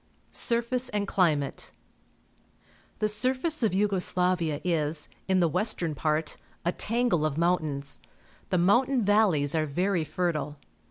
Surface and Climate. — The siuface of Yugo Sla\ia is, in the western part, a tangle of mountains. The mountain valleys are very fertile.